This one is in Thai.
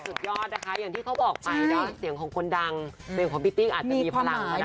สุดยอดนะคะอย่างที่เขาบอกไปเนาะเสียงของคนดังเสียงของพี่ติ้งอาจจะมีพลังก็ได้